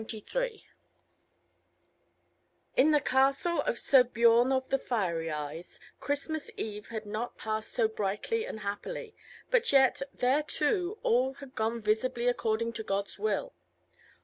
CHAPTER 23 In the castle of Sir Biorn of the Fiery Eyes, Christmas eve had not passed so brightly and happily; but yet, there too all had gone visibly according to God's will.